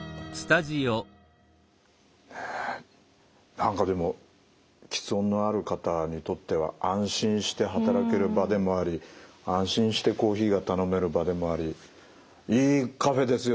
何かでも吃音のある方にとっては安心して働ける場でもあり安心してコーヒーが頼める場でもありいいカフェですよね。